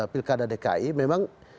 pilkada dki memang